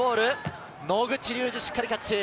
野口竜司、しっかりキャッチ。